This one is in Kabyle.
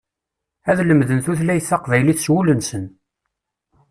Ad lemden tutlayt taqbaylit s wul-nsen.